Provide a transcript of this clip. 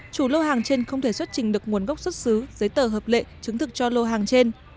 chủ lô hàng trên không thể xuất trình được nguồn gốc xuất xứ giấy tờ hợp lệ chứng thực cho lô hàng trên